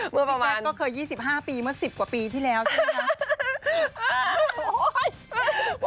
พี่แจ๊กก็เคย๒๕ปีเมื่อ๑๐กว่าปีที่แล้วใช่ไหมคะ